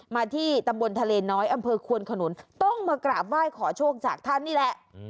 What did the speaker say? มาที่ตำบลทะเลน้อยอำเภอควนขนุนต้องมากราบไหว้ขอโชคจากท่านนี่แหละ